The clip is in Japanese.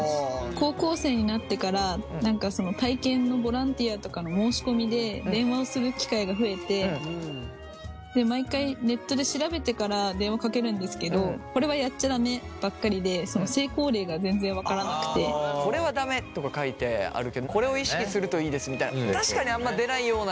高校生になってから何かその体験のボランティアとかの申し込みで電話をする機会が増えて毎回ネットで調べてから電話かけるんですけど「これはダメ」とか書いてあるけど「これを意識するといいです」みたいな確かにあんま出ないような。